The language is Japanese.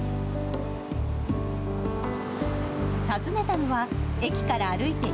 訪ねたのは、駅から歩いて